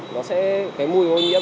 nó sẽ cái mùi ô nhiễm